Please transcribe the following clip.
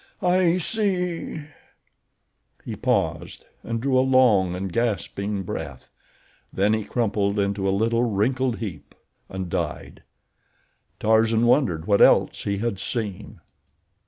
I see—" He paused and drew a long, gasping breath. Then he crumpled into a little, wrinkled heap and died. Tarzan wondered what else he had seen.